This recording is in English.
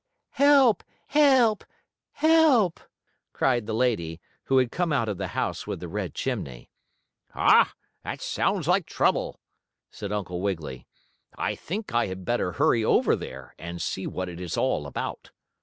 "Help! Help! Help!" cried the lady, who had come out of the house with the red chimney. "Ha! That sounds like trouble!" said Uncle Wiggily. "I think I had better hurry over there and see what it is all about."